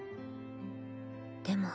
でも。